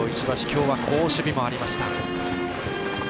きょうは好守備もありました。